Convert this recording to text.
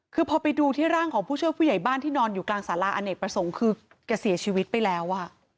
คือพอไปดูที่ร่างของผู้ช่วยผู้ใหญ่บ้านที่นอนอยู่กลางสาราอเนกประสงค์คือแกเสียชีวิตไปแล้ว